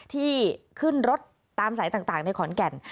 ที่ขึ้นรถตามสายต่างในขอนแก่น